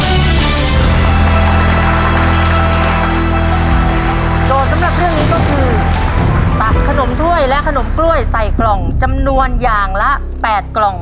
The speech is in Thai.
สำหรับเรื่องนี้ก็คือตักขนมถ้วยและขนมกล้วยใส่กล่องจำนวนอย่างละ๘กล่อง